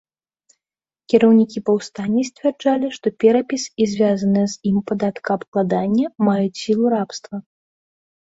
Кіраўнікі паўстання сцвярджалі, што перапіс і звязаныя з ім падаткаабкладанне маюць сілу рабства.